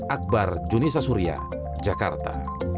akbar junisa surya jakarta